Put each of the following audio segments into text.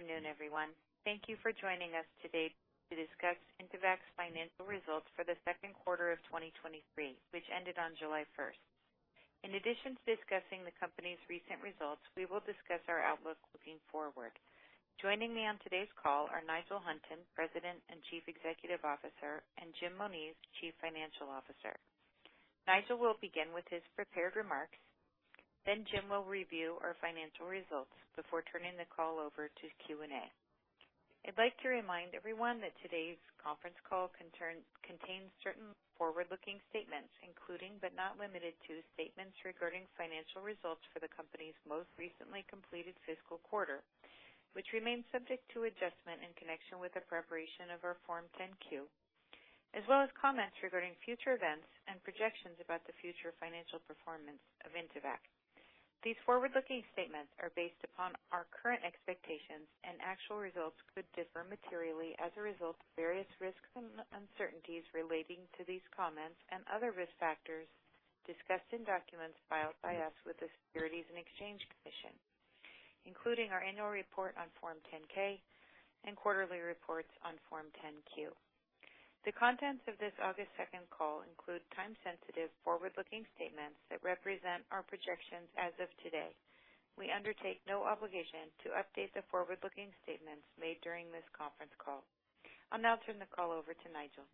Good afternoon, everyone. Thank you for joining us today to discuss Intevac's financial results for the second quarter of 2023, which ended on July 1st. In addition to discussing the company's recent results, we will discuss our outlook looking forward. Joining me on today's call are Nigel Hunton, President and Chief Executive Officer, and Jim Moniz, Chief Financial Officer. Nigel will begin with his prepared remarks, then Jim will review our financial results before turning the call over to Q&A. I'd like to remind everyone that today's conference call contains certain forward-looking statements, including, but not limited to, statements regarding financial results for the company's most recently completed fiscal quarter, which remains subject to adjustment in connection with the preparation of our Form 10-Q, as well as comments regarding future events and projections about the future financial performance of Intevac. These forward-looking statements are based upon our current expectations. Actual results could differ materially as a result of various risks and uncertainties relating to these comments and other risk factors discussed in documents filed by us with the Securities and Exchange Commission, including our annual report on Form 10-K and quarterly reports on Form 10-Q. The contents of this August 2nd call include time-sensitive, forward-looking statements that represent our projections as of today. We undertake no obligation to update the forward-looking statements made during this conference call. I'll now turn the call over to Nigel.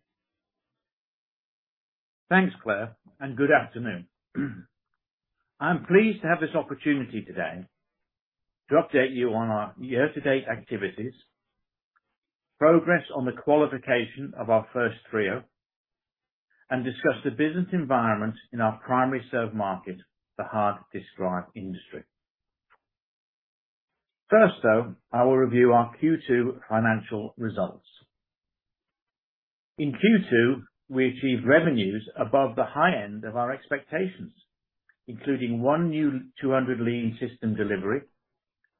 Thanks, Claire. Good afternoon. I'm pleased to have this opportunity today to update you on our year-to-date activities, progress on the qualification of our first TRIO, and discuss the business environment in our primary served market, the Hard Disk Drive industry. First, though, I will review our Q2 financial results. In Q2, we achieved revenues above the high end of our expectations, including one new 200 Lean system delivery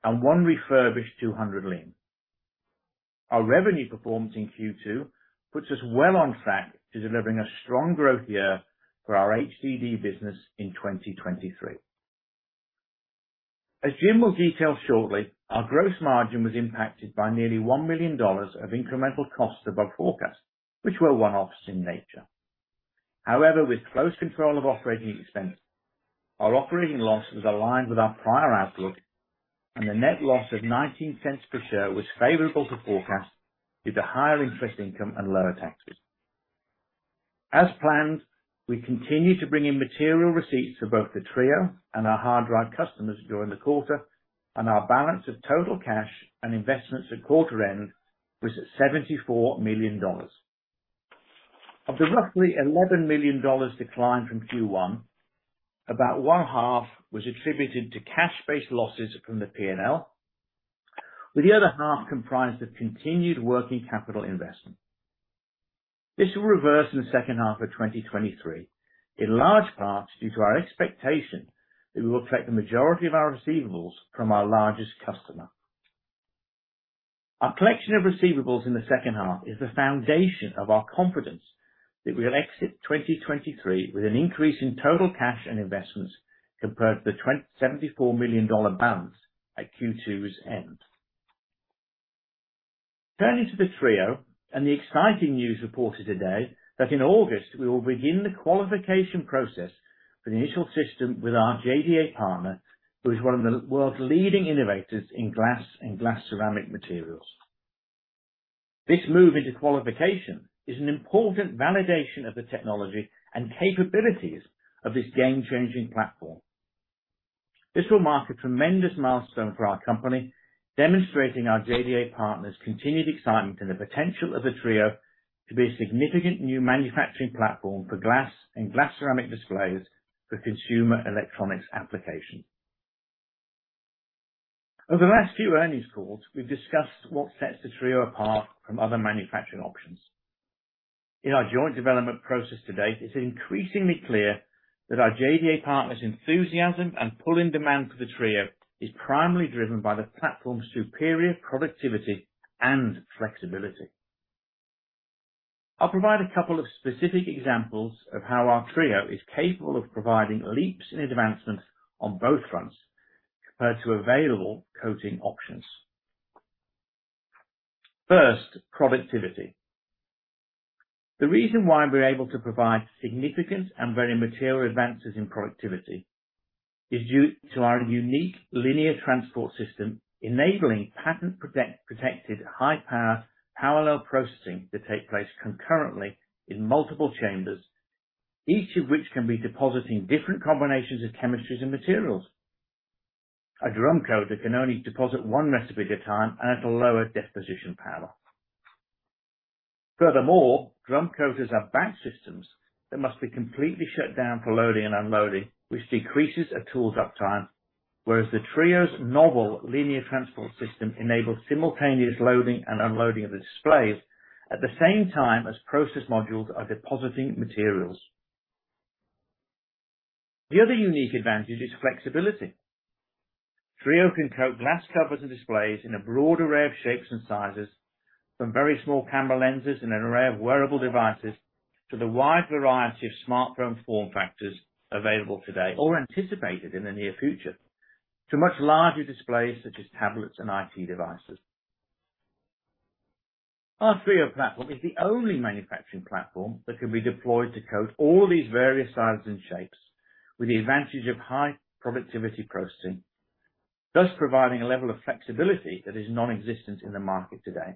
and 1 refurbished 200 Lean. Our revenue performance in Q2 puts us well on track to delivering a strong growth year for our HDD business in 2023. As Jim will detail shortly, our gross margin was impacted by nearly $1 million of incremental costs above forecast, which were one-offs in nature. However, with close control of operating expenses, our operating loss was aligned with our prior outlook, and the net loss of $0.19 per share was favorable to forecast, due to higher interest income and lower taxes. As planned, we continued to bring in material receipts for both the TRIO and our HDD customers during the quarter, and our balance of total cash and investments at quarter end was at $74 million. Of the roughly $11 million decline from Q1, about $5.5 million was attributed to cash-based losses from the P&L, with the other $5.5 million comprised of continued working capital investment. This will reverse in the second half of 2023, in large part due to our expectation that we will collect the majority of our receivables from our largest customer. Our collection of receivables in the second half is the foundation of our confidence that we'll exit 2023 with an increase in total cash and investments compared to the $74 million balance at Q2's end. Turning to the TRIO and the exciting news reported today, that in August, we will begin the qualification process for the initial system with our JDA partner, who is one of the world's leading innovators in glass and glass-ceramic materials. This move into qualification is an important validation of the technology and capabilities of this game-changing platform. This will mark a tremendous milestone for our company, demonstrating our JDA partner's continued excitement in the potential of the TRIO to be a significant new manufacturing platform for glass and glass-ceramic displays for consumer electronics application. Over the last few earnings calls, we've discussed what sets the TRIO apart from other manufacturing options. In our joint development process to date, it's increasingly clear that our JDA partner's enthusiasm and pull-in demand for the TRIO is primarily driven by the platform's superior productivity and flexibility. I'll provide a couple of specific examples of how our TRIO is capable of providing leaps in advancement on both fronts compared to available coating options. First, productivity. The reason why we're able to provide significant and very material advances in productivity is due to our unique linear transport system, enabling patent protect, protected high-power parallel processing to take place concurrently in multiple chambers, each of which can be depositing different combinations of chemistries and materials. A drum coater can only deposit one recipe at a time and at a lower deposition power. Furthermore, drum coaters are batch systems that must be completely shut down for loading and unloading, which decreases a tool's uptime, whereas the TRIO's novel linear transport system enables simultaneous loading and unloading of the displays at the same time as process modules are depositing materials. The other unique advantage is flexibility. TRIO can coat glass covers and displays in a broad array of shapes and sizes-... from very small camera lenses and an array of wearable devices, to the wide variety of smartphone form factors available today or anticipated in the near future, to much larger displays, such as tablets and IT devices. Our TRIO platform is the only manufacturing platform that can be deployed to code all these various sizes and shapes, with the advantage of high productivity processing, thus providing a level of flexibility that is non-existent in the market today.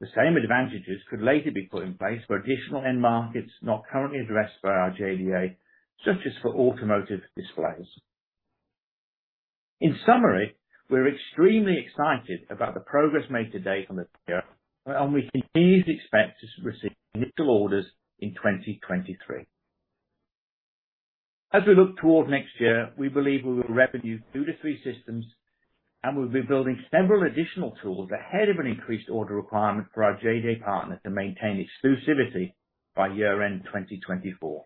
The same advantages could later be put in place for additional end markets not currently addressed by our JDA, such as for automotive displays. In summary, we're extremely excited about the progress made to date on the TRIO, and we continue to expect to receive initial orders in 2023. As we look toward next year, we believe we will revenue two to three systems, and we'll be building several additional tools ahead of an increased order requirement for our JDA partner to maintain exclusivity by year-end 2024.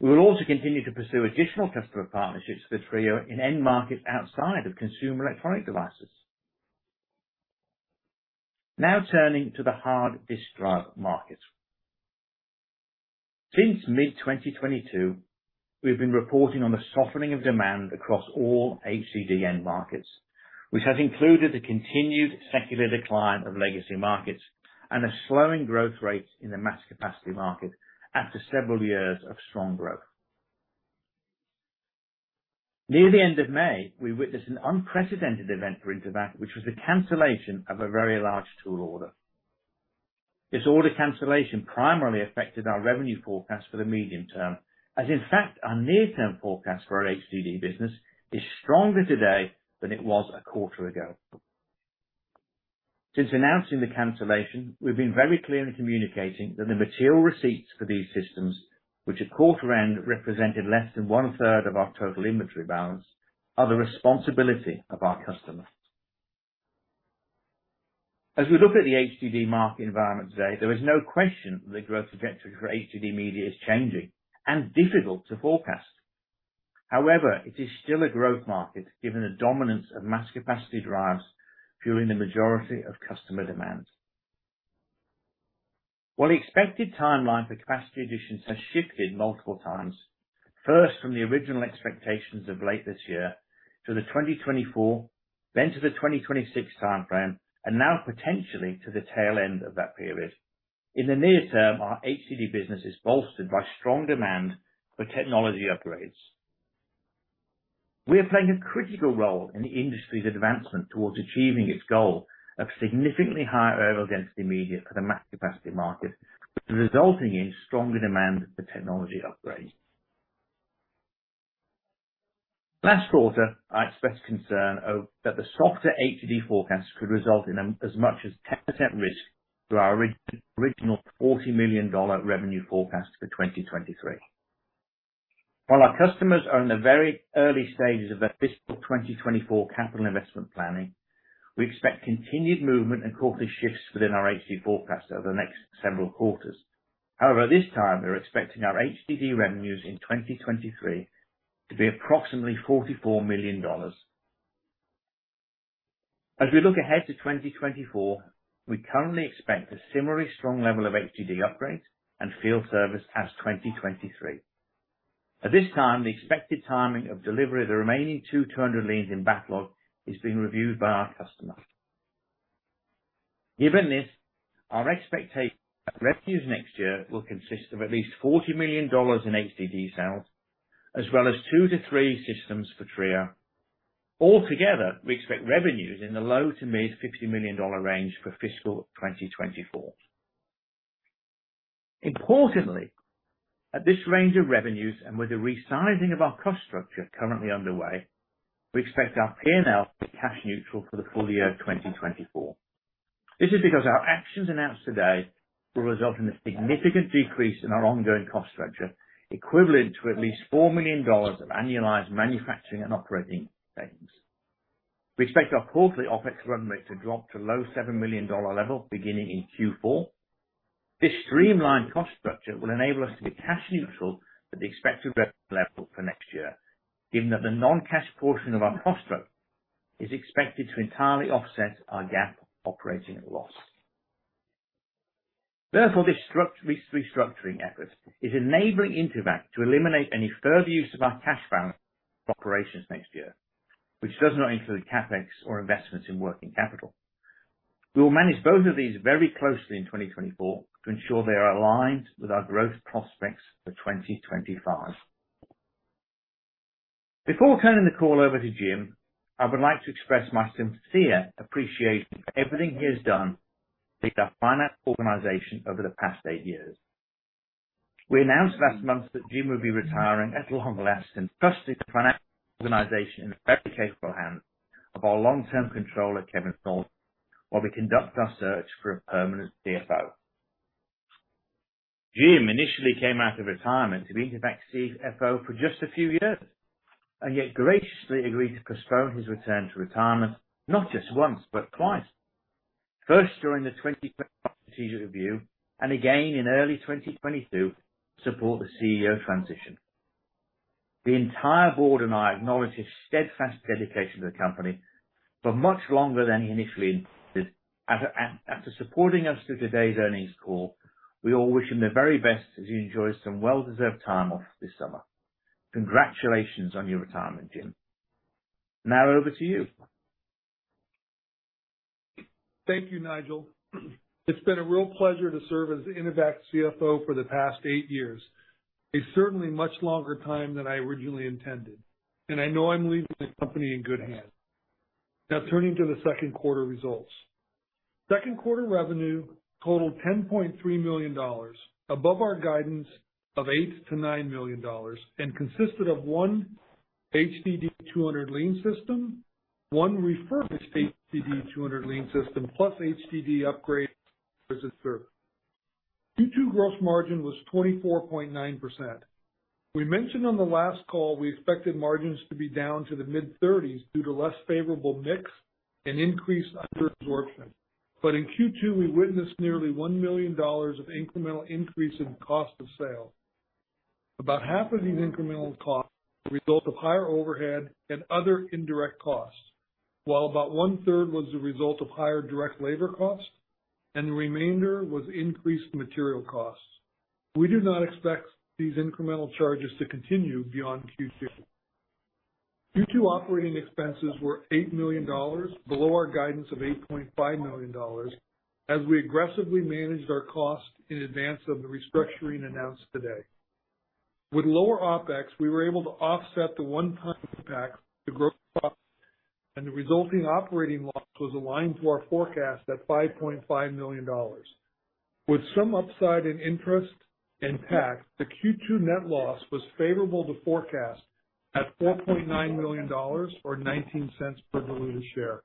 We will also continue to pursue additional customer partnerships for TRIO in end markets outside of consumer electronic devices. Turning to the Hard Disk Drive market. Since mid-2022, we've been reporting on the softening of demand across all HDD end markets, which has included the continued secular decline of legacy markets and a slowing growth rate in the mass capacity market after several years of strong growth. Near the end of May, we witnessed an unprecedented event for Intevac, which was the cancellation of a very large tool order. This order cancellation primarily affected our revenue forecast for the medium term, as in fact, our near-term forecast for our HDD business is stronger today than it was a quarter ago. Since announcing the cancellation, we've been very clear in communicating that the material receipts for these systems, which at quarter end represented less than 1/3 of our total inventory balance, are the responsibility of our customer. As we look at the HDD market environment today, there is no question the growth trajectory for HDD media is changing and difficult to forecast. However, it is still a growth market, given the dominance of mass capacity drives fueling the majority of customer demand. While the expected timeline for capacity additions has shifted multiple times, first from the original expectations of late this year to the 2024, then to the 2026 timeframe, and now potentially to the tail end of that period. In the near term, our HDD business is bolstered by strong demand for technology upgrades. We are playing a critical role in the industry's advancement towards achieving its goal of significantly higher areal density media for the mass capacity market, resulting in stronger demand for technology upgrades. Last quarter, I expressed concern that the softer HDD forecast could result in as much as 10% risk to our original $40 million revenue forecast for 2023. While our customers are in the very early stages of their fiscal 2024 capital investment planning, we expect continued movement and quarterly shifts within our HDD forecast over the next several quarters. However, this time, we are expecting our HDD revenues in 2023 to be approximately $44 million. As we look ahead to 2024, we currently expect a similarly strong level of HDD upgrades and field service as 2023. At this time, the expected timing of delivery of the remaining two 200 Lean in backlog is being reviewed by our customers. Given this, our expectation that revenues next year will consist of at least $40 million in HDD sales, as well as two to three systems for TRIO. Altogether, we expect revenues in the $50 million-$55 million range for fiscal 2024. Importantly, at this range of revenues and with the resizing of our cost structure currently underway, we expect our P&L to be cash neutral for the full year of 2024. This is because our actions announced today will result in a significant decrease in our ongoing cost structure, equivalent to at least $4 million of annualized manufacturing and operating expenses. We expect our quarterly OpEx run rate to drop to $7 million level, beginning in Q4. This streamlined cost structure will enable us to be cash neutral at the expected revenue level for next year, given that the non-cash portion of our cost structure is expected to entirely offset our GAAP operating loss. Therefore, this restructuring effort is enabling Intevac to eliminate any further use of our cash balance operations next year, which does not include CapEx or investments in working capital. We will manage both of these very closely in 2024 to ensure they are aligned with our growth prospects for 2025. Before turning the call over to Jim, I would like to express my sincere appreciation for everything he has done to take our finance organization over the past eight years. We announced last month that Jim will be retiring, at long last, and trusted the financial organization in the very capable hands of our long-term controller, Kevin Soulsby, while we conduct our search for a permanent CFO. Jim initially came out of retirement to be Intevac CFO for just a few years, yet graciously agreed to postpone his return to retirement not just once, but twice. First, during the 2020 strategic review, again in early 2022, to support the CEO transition. The entire board and I acknowledge his steadfast dedication to the company for much longer than he initially intended. After supporting us through today's earnings call, we all wish him the very best as he enjoys some well-deserved time off this summer. Congratulations on your retirement, Jim. Over to you. Thank you, Nigel. It's been a real pleasure to serve as Intevac CFO for the past eight years. It's certainly a much longer time than I originally intended, and I know I'm leaving the company in good hands. Now, turning to the second quarter results. Second quarter revenue totaled $10.3 million, above our guidance of $8 million-$9 million, and consisted of one HDD 200 Lean system, one refurbished HDD 200 Lean system, plus HDD upgrade as a third. Q2 gross margin was 24.9%. We mentioned on the last call, we expected margins to be down to the mid-thirties due to less favorable mix and increased under absorption. In Q2, we witnessed nearly $1 million of incremental increase in cost of sale. About half of these incremental costs were the result of higher overhead and other indirect costs, while about 1/3 was the result of higher direct labor costs, and the remainder was increased material costs. We do not expect these incremental charges to continue beyond Q2. Q2 operating expenses were $8 million, below our guidance of $8.5 million, as we aggressively managed our costs in advance of the restructuring announced today. With lower OpEx, we were able to offset the one-time impact, the growth cost, and the resulting operating loss was aligned to our forecast at $5.5 million. With some upside in interest and tax, the Q2 net loss was favorable to forecast at $4.9 million, or $0.19 per diluted share.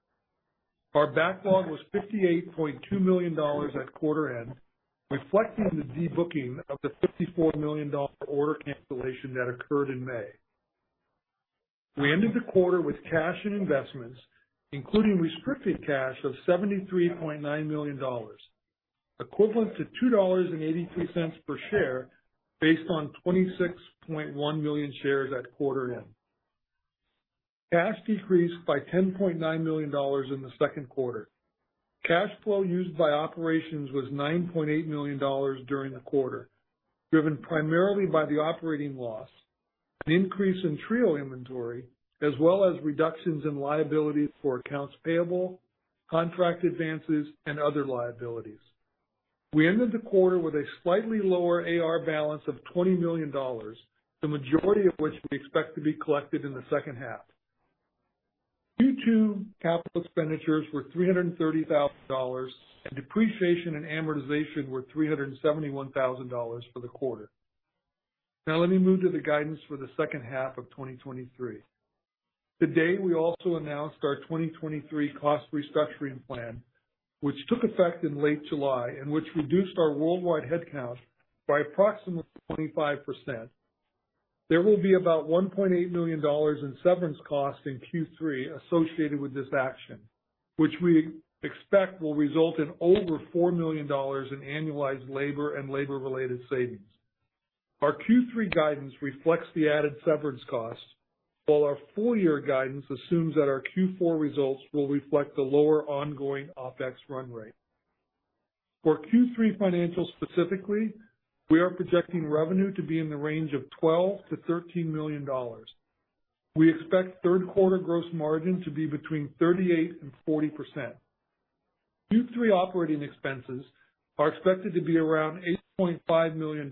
Our backlog was $58.2 million at quarter end, reflecting the debooking of the $54 million order cancellation that occurred in May. We ended the quarter with cash and investments, including restricted cash of $73.9 million, equivalent to $2.83 per share, based on 26.1 million shares at quarter end. Cash decreased by $10.9 million in the second quarter. Cash flow used by operations was $9.8 million during the quarter, driven primarily by the operating loss, an increase in TRIO inventory, as well as reductions in liabilities for accounts payable, contract advances, and other liabilities. We ended the quarter with a slightly lower AR balance of $20 million, the majority of which we expect to be collected in the second half. Q2 capital expenditures were $330,000, and depreciation and amortization were $371,000 for the quarter. Let me move to the guidance for the second half of 2023. Today, we also announced our 2023 cost restructuring plan, which took effect in late July and which reduced our worldwide headcount by approximately 25%. There will be about $1.8 million in severance costs in Q3 associated with this action, which we expect will result in over $4 million in annualized labor and labor-related savings. Our Q3 guidance reflects the added severance costs, while our full year guidance assumes that our Q4 results will reflect the lower ongoing OpEx run rate. For Q3 financials specifically, we are projecting revenue to be in the range of $12 million-$13 million. We expect third quarter gross margin to be between 38% and 40%. Q3 operating expenses are expected to be around $8.5 million,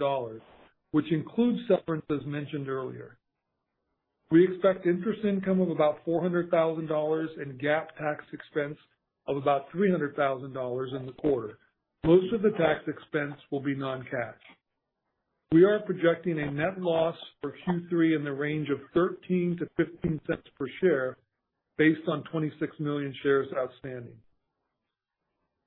which includes severance, as mentioned earlier. We expect interest income of about $400,000 and GAAP tax expense of about $300,000 in the quarter. Most of the tax expense will be non-cash. We are projecting a net loss for Q3 in the range of $0.13-$0.15 per share, based on 26 million shares outstanding.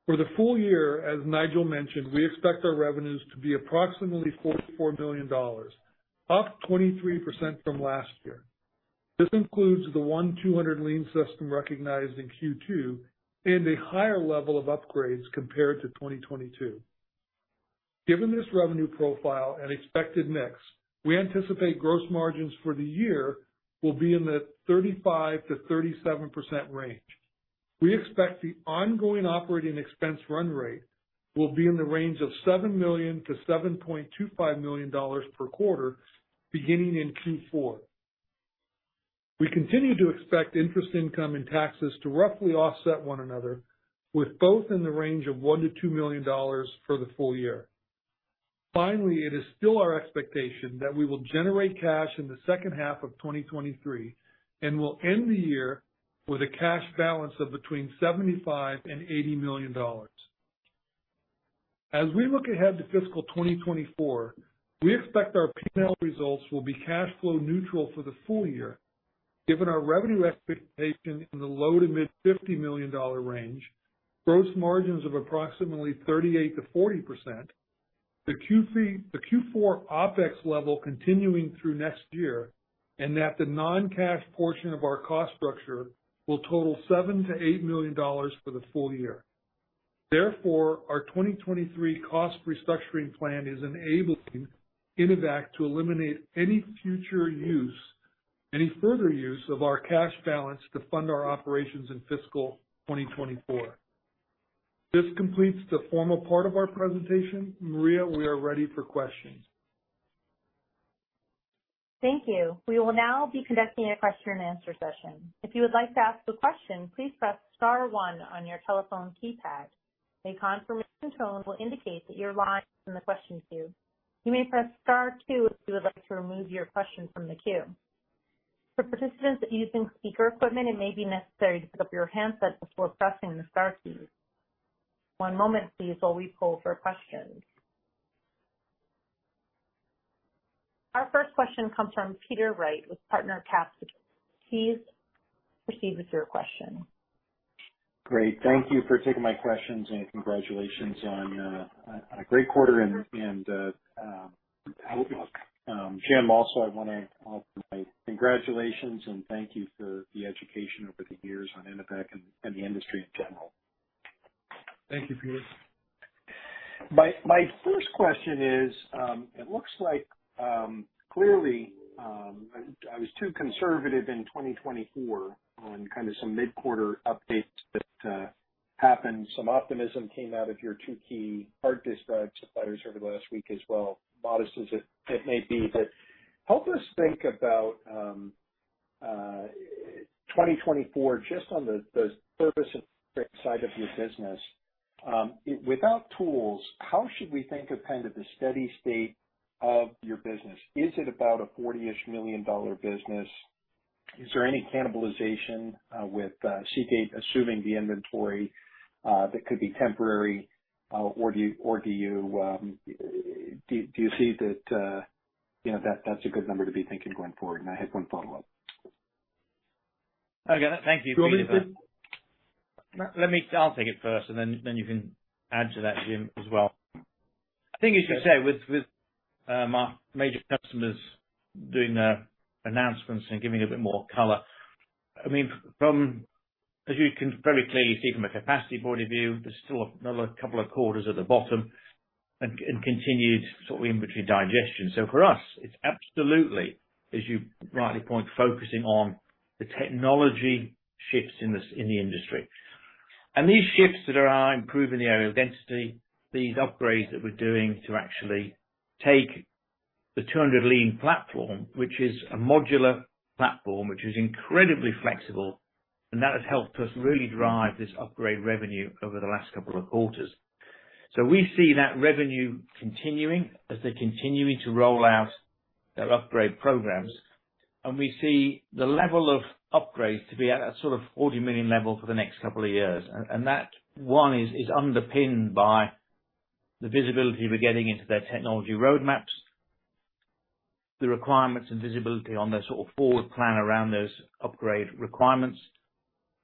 For the full year, as Nigel mentioned, we expect our revenues to be approximately $44 million, up 23% from last year. This includes the one 200 Lean system recognized in Q2 and a higher level of upgrades compared to 2022. Given this revenue profile and expected mix, we anticipate gross margins for the year will be in the 35%-37% range. We expect the ongoing operating expense run rate will be in the range of $7 million-$7.25 million per quarter, beginning in Q4. We continue to expect interest income and taxes to roughly offset one another, with both in the range of $1 million-$2 million for the full year. Finally, it is still our expectation that we will generate cash in the second half of 2023, and will end the year with a cash balance of between $75 million and $80 million. As we look ahead to fiscal 2024, we expect our P&L results will be cash flow neutral for the full year, given our revenue expectation in the low to mid $50 million range, gross margins of approximately 38%-40%, the Q4 OpEx level continuing through next year, that the non-cash portion of our cost structure will total $7 million-$8 million for the full year. Therefore, our 2023 cost restructuring plan is enabling Intevac to eliminate any future use, any further use of our cash balance to fund our operations in fiscal 2024. This completes the formal part of our presentation. Maria, we are ready for questions. Thank you. We will now be conducting a question and answer session. If you would like to ask a question, please press star one on your telephone keypad. A confirmation tone will indicate that your line is in the question queue. You may press star two if you would like to remove your question from the queue. For participants using speaker equipment, it may be necessary to pick up your handset before pressing the star key. One moment please, while we pull for questions. Our first question comes from Peter Wright with PartnerCap Securities. Please proceed with your question. Great, thank you for taking my questions, and congratulations on on a great quarter. Jim, also, I want to offer my congratulations and thank you for the education over the years on Intevac and, and the industry in general. Thank you, Peter. My, my first question is, it looks like, clearly, I, I was too conservative in 2024 on kind of some mid-quarter updates that happened. Some optimism came out of your two key Hard Disk Drive suppliers over the last week as well, modest as it may be. Help us think about 2024, just on the, the service and side of your business. Without tools, how should we think of kind of the steady state of your business? Is it about a $40 million business? Is there any cannibalization with Seagate, assuming the inventory that could be temporary? Or do you, or do you, do, do you see that, you know, that, that's a good number to be thinking going forward? I had one follow-up. I got it. Thank you, Peter. Do you want me to- Let me, I'll take it first, and then, then you can add to that, Jim, as well. I think you should say, with, with, our major customers doing their announcements and giving a bit more color, I mean, from... As you can very clearly see from a capacity point of view, there's still another two quarters at the bottom and, and continued sort of inventory digestion. For us, it's absolutely, as you rightly point, focusing on the technology shifts in the, in the industry. These shifts that are improving the areal density, these upgrades that we're doing to actually take the 200 Lean platform, which is a modular platform, which is incredibly flexible, and that has helped us really drive this upgrade revenue over the last two quarters. We see that revenue continuing as they're continuing to roll out their upgrade programs, and we see the level of upgrades to be at a sort of $40 million level for the next couple of years. That, one, is underpinned by the visibility we're getting into their technology roadmaps, the requirements and visibility on their sort of forward plan around those upgrade requirements.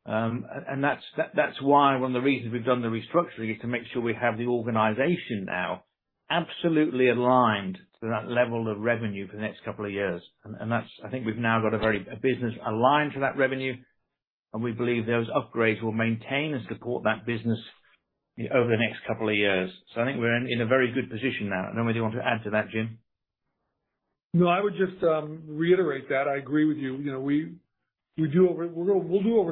That's, that's why one of the reasons we've done the restructuring is to make sure we have the organization now absolutely aligned to that level of revenue for the next couple of years. That's. I think we've now got a very, a business aligned to that revenue, and we believe those upgrades will maintain and support that business over the next couple of years. I think we're in, in a very good position now. Whether you want to add to that, Jim? No, I would just reiterate that. I agree with you. You know, we, we'll do over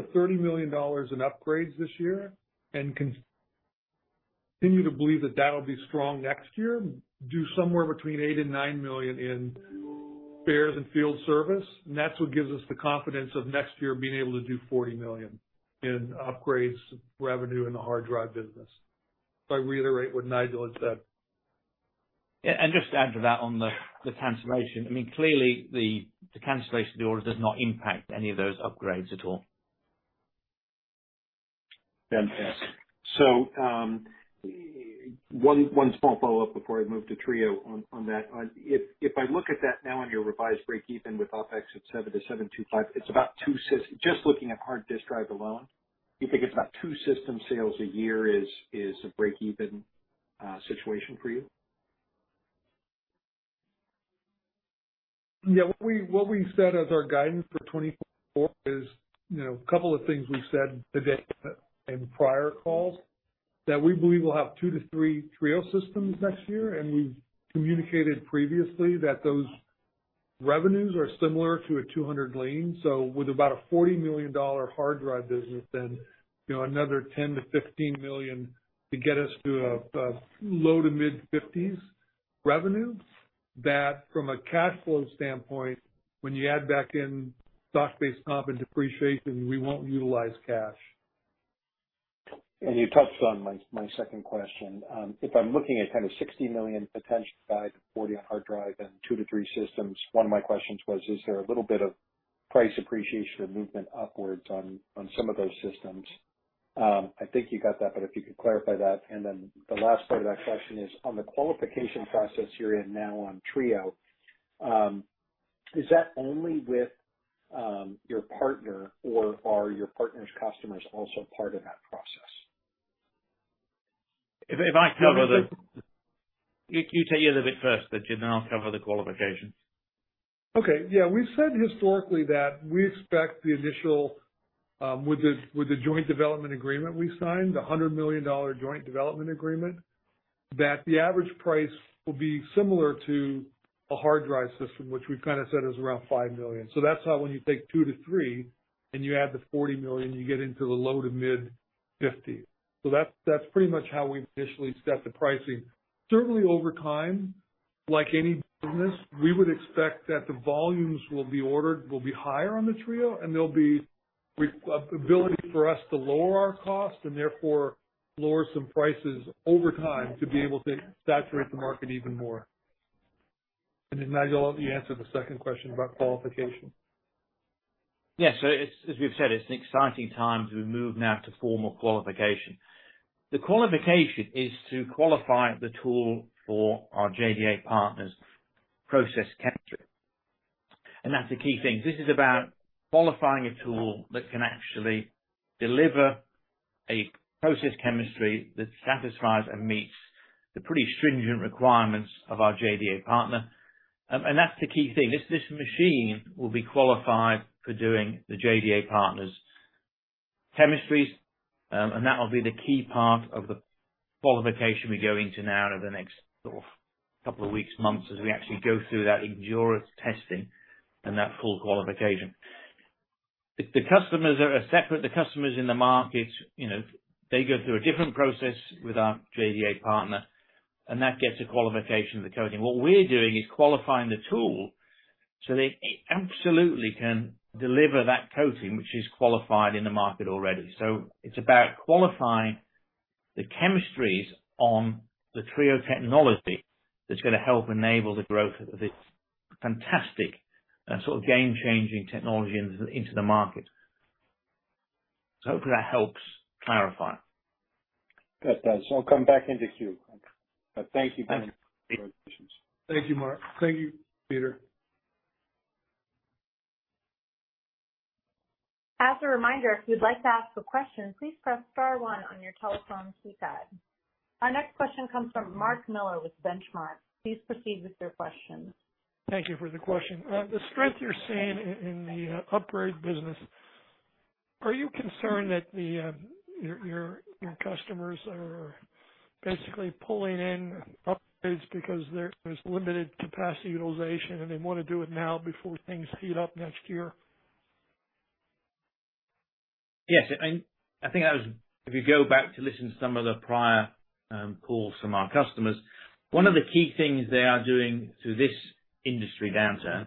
$30 million in upgrades this year and continue to believe that that'll be strong next year. Do somewhere between $8 million and $9 million in spares and field service, and that's what gives us the confidence of next year being able to do $40 million in upgrades, revenue, and the HDD business. I reiterate what Nigel has said. Yeah, just to add to that on the, the cancellation, I mean, clearly the, the cancellation of the orders does not impact any of those upgrades at all. Fantastic! One, one small follow-up before I move to TRIO on that. If I look at that now on your revised break even with OpEx at $7 million-$7.25 million, it's about two just looking at Hard Disk Drive alone, do you think it's about two system sales a year is a break even situation for you? Yeah. What we, what we said as our guidance for 2024 is, you know, a couple of things we've said today and prior calls, that we believe we'll have two to three TRIO systems next year, and we've communicated previously that those revenues are similar to a 200 Lean. With about a $40 million HDD business, then, you know, another $10 million-$15 million to get us to a, a low to mid-$50 million revenue. That from a cash flow standpoint, when you add back in stock-based comp and depreciation, we won't utilize cash. You touched on my, my second question. If I'm looking at kind of $60 million potential guide, $40 million on HDD and two to three systems, one of my questions was: Is there a little bit of price appreciation or movement upwards on, on some of those systems? I think you got that, but if you could clarify that. The last part of that question is: On the qualification process you're in now on TRIO, is that only with your partner or are your partner's customers also part of that process? If I cover the, you take your little bit first, then, Jim, then I'll cover the qualification. Okay. Yeah, we've said historically that we expect the initial, with the, with the joint development agreement we signed, the $100 million joint development agreement, that the average price will be similar to a HDD system, which we've kind of said is around $5 million. That's how when you take two to three and you add the $40 million, you get into the low to mid-$50 million. That's, that's pretty much how we initially set the pricing. Certainly over time, like any business, we would expect that the volumes will be ordered, will be higher on the TRIO, and there'll be an ability for us to lower our cost and therefore lower some prices over time to be able to saturate the market even more. Nigel, you answer the second question about qualification. Yes. As, as we've said, it's an exciting time to move now to formal qualification. The qualification is to qualify the tool for our JDA partner's process chemistry, and that's the key thing. This is about qualifying a tool that can actually deliver a process chemistry that satisfies and meets the pretty stringent requirements of our JDA partner. That's the key thing. This, this machine will be qualified for doing the JDA partner's chemistries, and that will be the key part of the qualification we go into now over the next, sort of, couple of weeks, months, as we actually go through that endurance testing and that full qualification. The, the customers are, are separate. The customers in the market, you know, they go through a different process with our JDA partner, and that gets a qualification of the coating. What we're doing is qualifying the tool so that it absolutely can deliver that coating, which is qualified in the market already. It's about qualifying the chemistries on the TRIO technology that's gonna help enable the growth of this fantastic, sort of game-changing technology into, into the market. Hopefully that helps clarify. That does. I'll come back into queue. Thank you, then. Thank you. Thank you, Mark. Thank you, Peter. As a reminder, if you'd like to ask a question, please press star one on your telephone keypad. Our next question comes from Mark Miller with Benchmark. Please proceed with your question. Thank you for the question. The strength you're seeing in the upgrade business, are you concerned that your customers are basically pulling in upgrades because there's limited capacity utilization, and they want to do it now before things heat up next year? Yes, I think that was. If you go back to listen to some of the prior calls from our customers, one of the key things they are doing through this industry downturn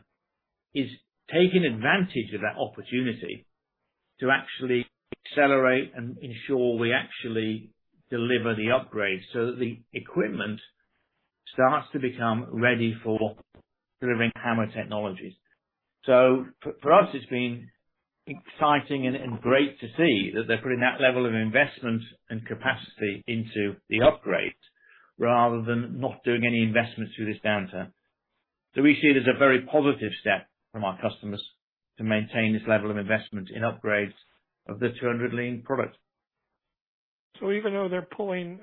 is taking advantage of that opportunity to actually accelerate and ensure we actually deliver the upgrades, so that the equipment starts to become ready for delivering HAMR technologies. For, for us, it's been exciting and, and great to see that they're putting that level of investment and capacity into the upgrade, rather than not doing any investment through this downturn. We see it as a very positive step from our customers to maintain this level of investment in upgrades of the 200 Lean product. Even though they're pulling,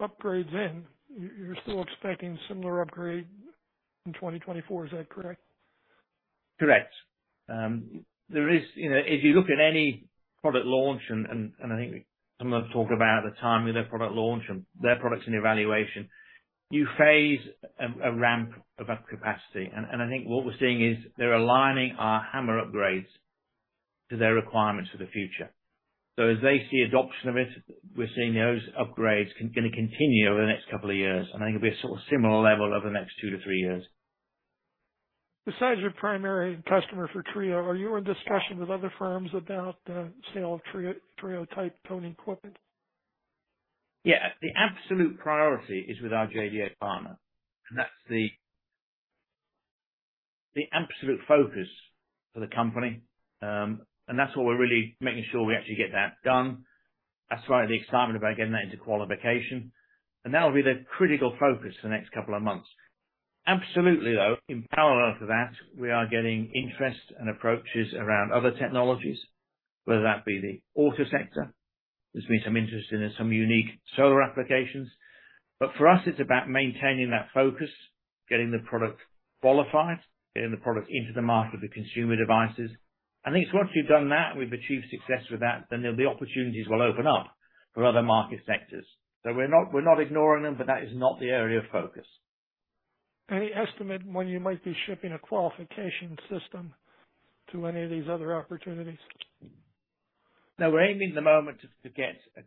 upgrades in, you're still expecting similar upgrade in 2024. Is that correct? Correct. There is, you know, if you look at any product launch, and I think some of us talk about the timing of their product launch and their products and evaluation, you phase a ramp of up capacity. I think what we're seeing is they're aligning our HAMR upgrades to their requirements for the future. As they see adoption of it, we're seeing those upgrades gonna continue over the next couple of years, and I think it'll be a sort of similar level over the next two to three years. Besides your primary customer for TRIO, are you in discussion with other firms about the sale of TRIO, TRIO-type coating equipment? Yeah. The absolute priority is with our JDA partner, and that's the, the absolute focus for the company. And that's what we're really making sure we actually get that done. That's why the excitement about getting that into qualification, and that'll be the critical focus for the next couple of months. Absolutely, though, in parallel to that, we are getting interest and approaches around other technologies, whether that be the auto sector. There's been some interest in some unique solar applications. For us, it's about maintaining that focus, getting the product qualified, getting the product into the market with consumer devices. I think once we've done that, and we've achieved success with that, there'll be opportunities will open up for other market sectors. We're not, we're not ignoring them, but that is not the area of focus. Any estimate when you might be shipping a qualification system to any of these other opportunities? No, we're aiming at the moment to, to get a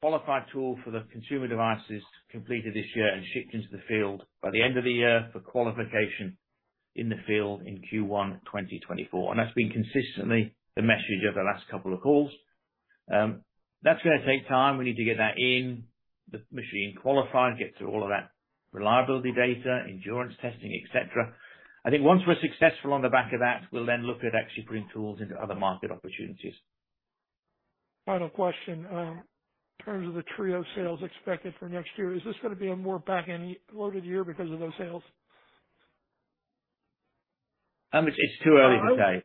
qualified tool for the consumer devices completed this year and shipped into the field by the end of the year for qualification in the field in Q1 2024. That's been consistently the message over the last couple of calls. That's gonna take time. We need to get that in, the machine qualified, get through all of that reliability data, endurance testing, et cetera. I think once we're successful on the back of that, we'll then look at actually putting tools into other market opportunities. Final question. In terms of the TRIO sales expected for next year, is this gonna be a more back-end loaded year because of those sales? It's, it's too early to say.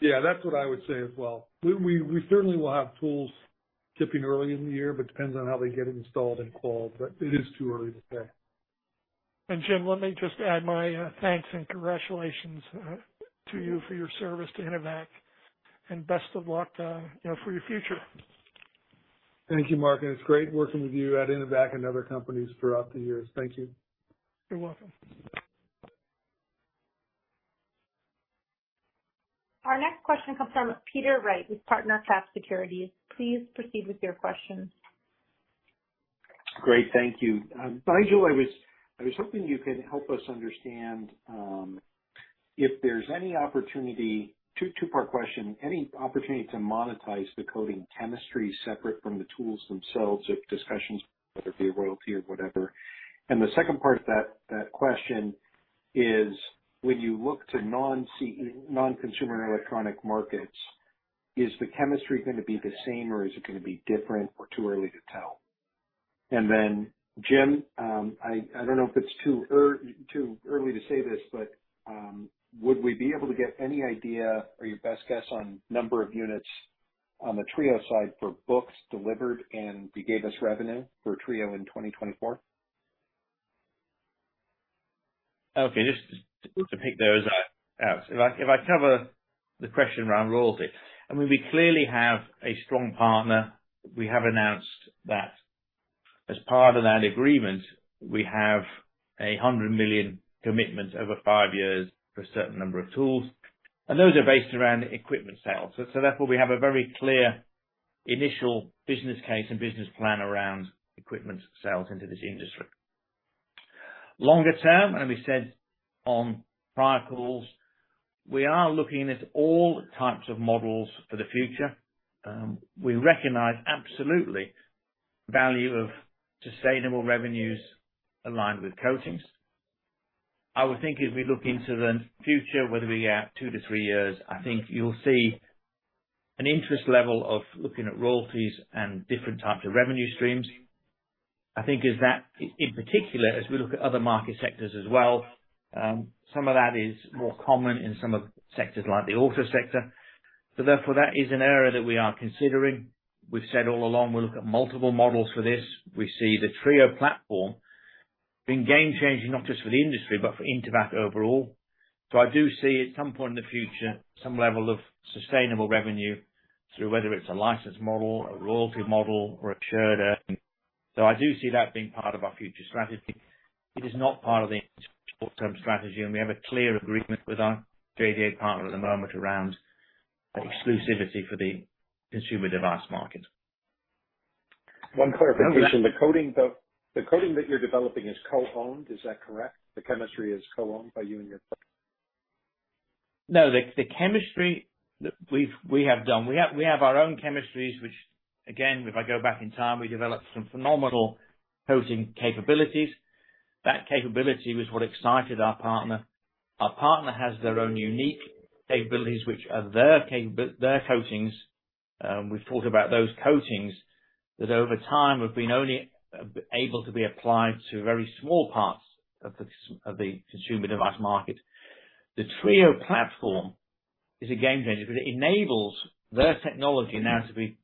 Yeah, that's what I would say as well. We certainly will have tools shipping early in the year. Depends on how they get installed and qualified. It is too early to say. Jim, let me just add my thanks and congratulations to you for your service to Intevac, and best of luck, you know, for your future. Thank you, Mark. It's great working with you at Intevac and other companies throughout the years. Thank you. You're welcome. Our next question comes from Peter Wright with PartnerCap Securities. Please proceed with your questions. Great. Thank you. Nigel, I was hoping you could help us understand if there's any opportunity... Two, two-part question: any opportunity to monetize the coating chemistry separate from the tools themselves, if discussions, whether it be a royalty or whatever? The second part of that question is, when you look to non-consumer electronic markets, is the chemistry going to be the same, or is it going to be different or too early to tell? Jim, I don't know if it's too early to say this, but would we be able to get any idea or your best guess on number of units on the TRIO side for books delivered, and you gave us revenue for TRIO in 2024? Okay, just to pick those up. If I, if I cover the question around royalty, I mean, we clearly have a strong partner. We have announced that as part of that agreement, we have a $100 million commitment over five years for a certain number of tools, and those are based around equipment sales. Therefore, we have a very clear initial business case and business plan around equipment sales into this industry. Longer term, and we said on prior calls, we are looking at all types of models for the future. We recognize absolutely value of sustainable revenues aligned with coatings. I would think as we look into the future, whether we are two to three years, I think you'll see an interest level of looking at royalties and different types of revenue streams. I think is that in particular, as we look at other market sectors as well, some of that is more common in some of the sectors, like the auto sector. Therefore, that is an area that we are considering. We've said all along, we'll look at multiple models for this. We see the TRIO platform being game changing, not just for the industry, but for Intevac overall. I do see at some point in the future, some level of sustainable revenue through whether it's a license model, a royalty model, or a shared earning. I do see that being part of our future strategy. It is not part of the short-term strategy, and we have a clear agreement with our JDA partner at the moment around exclusivity for the consumer device market. One clarification, the coating, the coating that you're developing is co-owned, is that correct? The chemistry is co-owned by you and your partner? No, the, the chemistry that we have done. We have, we have our own chemistries, which again, if I go back in time, we developed some phenomenal coating capabilities. That capability was what excited our partner. Our partner has their own unique capabilities, which are their coatings. We've talked about those coatings, that over time, have been only able to be applied to very small parts of the consumer device market. The TRIO platform is a game changer, because it enables their technology now to be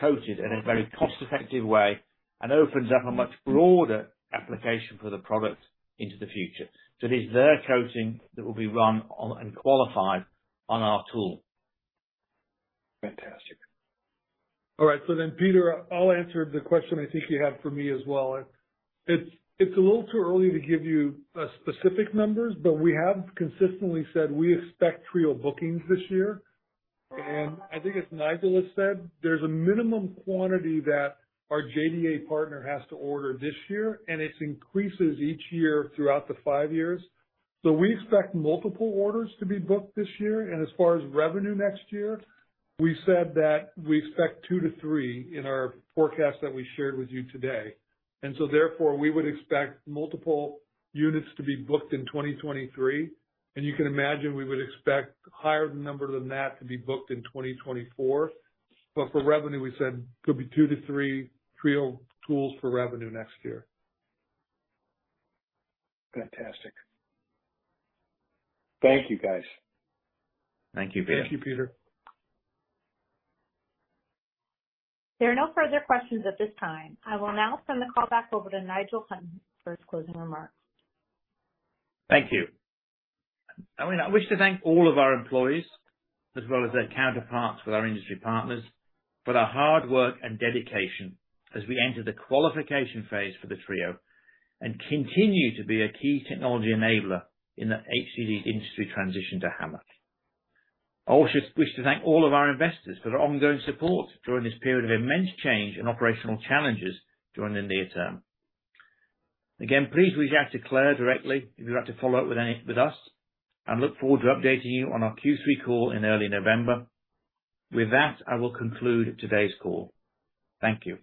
coated in a very cost-effective way and opens up a much broader application for the product into the future. It is their coating that will be run on, and qualified, on our tool. Fantastic. All right. Peter, I'll answer the question I think you had for me as well. It's a little too early to give you specific numbers, but we have consistently said we expect TRIO bookings this year. I think as Nigel has said, there's a minimum quantity that our JDA partner has to order this year, and it increases each year throughout the five years. We expect multiple orders to be booked this year. As far as revenue next year, we said that we expect two to three in our forecast that we shared with you today. Therefore, we would expect multiple units to be booked in 2023. You can imagine we would expect higher number than that to be booked in 2024. For revenue, we said could be two to three TRIO tools for revenue next year. Fantastic. Thank you, guys. Thank you, Peter. Thank you, Peter. There are no further questions at this time. I will now send the call back over to Nigel Hunton for his closing remarks. Thank you. I mean, I wish to thank all of our employees, as well as their counterparts with our industry partners, for their hard work and dedication as we enter the qualification phase for the TRIO, and continue to be a key technology enabler in the HDD industry transition to HAMR. I also wish to thank all of our investors for their ongoing support during this period of immense change and operational challenges during the near term. Again, please reach out to Claire directly if you'd like to follow up with us. I look forward to updating you on our Q3 call in early November. With that, I will conclude today's call. Thank you.